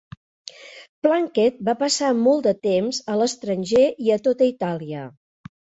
Plunkett va passar molt de temps a l'estranger i a tota Itàlia.